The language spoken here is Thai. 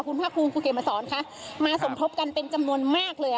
คุณภาคคลุงคุณเกมสรมาสมทบกันเป็นจำนวนมากเลย